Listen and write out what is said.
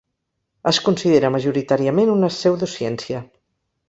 Es considera majoritàriament una pseudociència.